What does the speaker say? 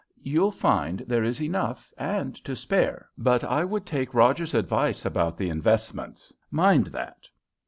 You'll find there is enough and to spare, but I would take Rogers's advice about the investments. Mind that!"